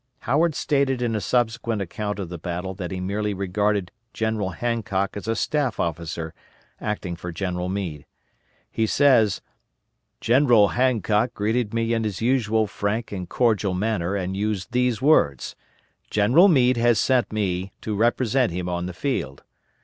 Howard stated in a subsequent account of the battle that he merely regarded General Hancock as a staff officer acting for General Meade. He says "General Hancock greeted me in his usual frank and cordial manner and used these words, 'General Meade has sent me to represent him on the field.'